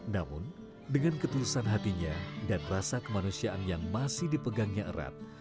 namun dengan ketulusan hatinya dan rasa kemanusiaan yang masih dipegangnya erat